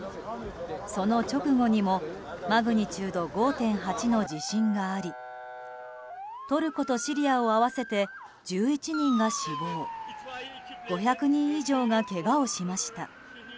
その直後にもマグニチュード５．８の地震がありトルコとシリアを合わせて１１人が死亡５００人以上がけがをしました。